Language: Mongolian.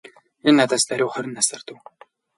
Энэ надаас даруй хорин насаар дүү.